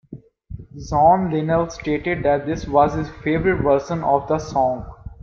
John Linnell stated that this was his favourite version of the song.